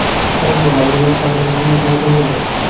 সমস্যা নেই, ভালো খবর হচ্ছে, আমি তাকে খুশিমনেই খুন করব।